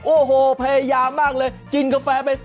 โอ้โอ้โอ้